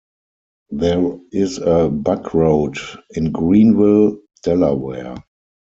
There is a Buck Road, in Greenville, Delaware.